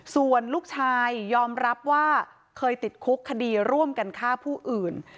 ส่วนลูกชายยอมรับว่าเคยติดคุกคดีร่วมกันฆ่าผู้อื่น